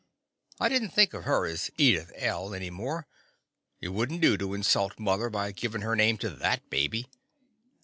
I did n't think of her as Edith L. any more. It would n't do to insult mother by givin' her name to that baby.